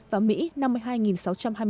và mỹ năm mươi bốn chín trăm ba mươi hai ca